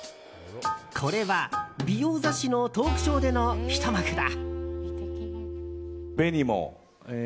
これは美容雑誌のトークショーでのひと幕だ。